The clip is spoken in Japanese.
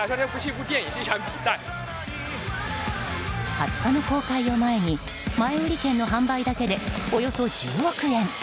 ２０日の公開を前に前売り券の販売だけでおよそ１０億円。